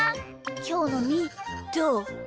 きょうのみーどう？